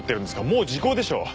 もう時効でしょう。